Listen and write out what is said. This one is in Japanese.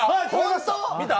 見た？